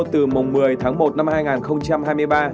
từ mùng một mươi tháng một năm hai nghìn hai mươi ba